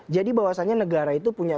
jadi bahwasannya negara itu punya